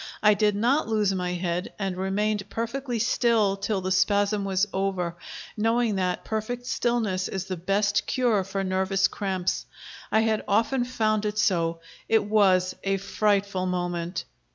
I did not lose my head, and remained perfectly still till the spasm was over, knowing that perfect stillness is the best cure for nervous cramps I had often found it so. It was a frightful moment.